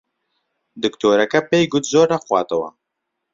دکتۆرەکە پێی گوت زۆر نەخواتەوە.